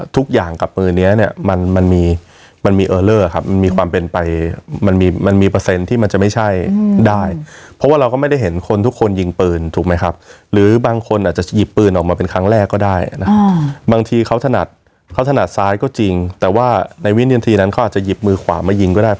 กับมือเนี้ยมันมันมีมันมีเออเลอร์ครับมันมีความเป็นไปมันมีมันมีเปอร์เซ็นต์ที่มันจะไม่ใช่ได้เพราะว่าเราก็ไม่ได้เห็นคนทุกคนยิงปืนถูกไหมครับหรือบางคนอาจจะหยิบปืนออกมาเป็นครั้งแรกก็ได้นะบางทีเขาถนัดเขาถนัดซ้ายก็จริงแต่ว่าในวินาทีนั้นเขาอาจจะหยิบมือขวามายิงก็ได้